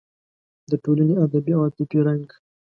د ټولنې ادبي او عاطفي رنګ